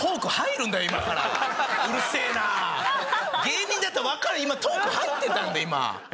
芸人だったらわかれトーク入ってたんだよ今！